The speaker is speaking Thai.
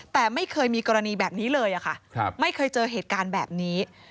แต่ไม่เคยมีกรณีแบบนี้เลยค่ะไม่เคยเจอเหตุการณ์แบบนี้